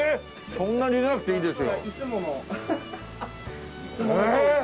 そんな入れなくていいです。